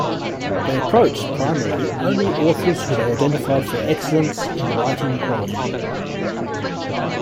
They approached primarily only authors who they identified for excellence in writing quality.